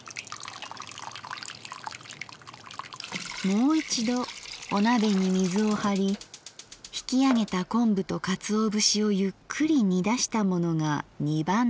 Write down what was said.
「もう一度お鍋に水をはり引きあげた昆布と鰹節をゆっくり煮出したものが二番出し──」。